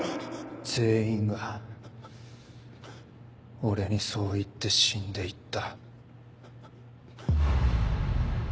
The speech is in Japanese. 全員が俺にそう言って死んでいった。